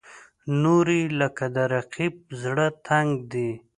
نورې یې لکه د رقیب زړه تنګ دي.